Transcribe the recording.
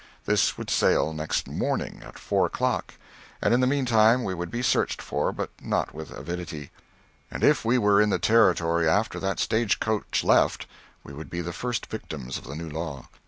This would sail next morning, at four o'clock and in the meantime we would be searched for, but not with avidity; and if we were in the Territory after that stage coach left, we would be the first victims of the new law.